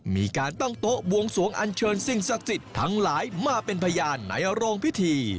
มีการตั้งโต๊ะบวงสวงอันเชิญสิ่งศักดิ์สิทธิ์ทั้งหลายมาเป็นพยานในโรงพิธี